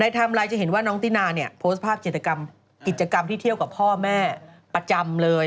ไทม์ไลน์จะเห็นว่าน้องตินาเนี่ยโพสต์ภาพกิจกรรมที่เที่ยวกับพ่อแม่ประจำเลย